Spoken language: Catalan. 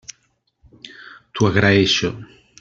T'ho agraeixo.